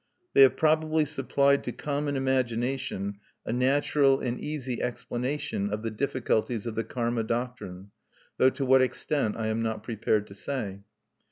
They have probably supplied to common imagination a natural and easy explanation of the difficulties of the karma doctrine, though to what extent I am not prepared to say.